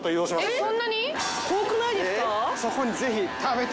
えっ？